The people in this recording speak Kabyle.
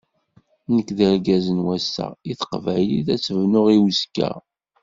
Nekk d argaz n wass-a, i teqbaylit ad tt-bnuɣ i uzekka.